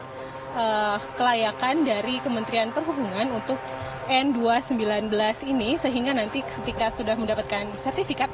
ada kelayakan dari kementerian perhubungan untuk n dua ratus sembilan belas ini sehingga nanti ketika sudah mendapatkan sertifikat